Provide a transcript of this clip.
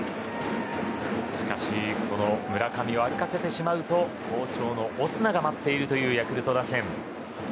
しかし、この村上を歩かせてしまうと好調のオスナが待っているというヤクルト打線。